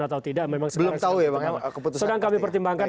atau tidak memang sedang kami pertimbangkan